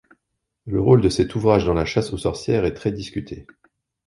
Le rôle de cet ouvrage dans la chasse aux sorcières est très discuté.